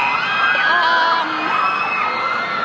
เอิ่มม